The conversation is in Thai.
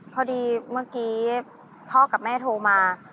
พอดีเมื่อกี้พ่อกับแม่โทรมา